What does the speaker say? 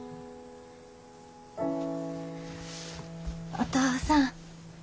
お父さん。